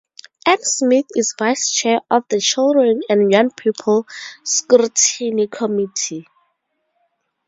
Ann Smith is Vice Chair of the Children and Young People Scrutiny Committee.